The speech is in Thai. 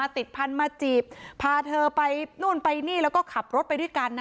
ติดพันธุ์มาจีบพาเธอไปนู่นไปนี่แล้วก็ขับรถไปด้วยกันนะ